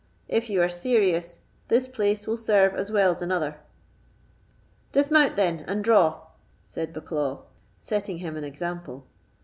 If you are serious, this place will serve as well as another." "Dismount then, and draw," said Bucklaw, setting him an example.